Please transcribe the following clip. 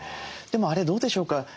でもあれどうでしょうか。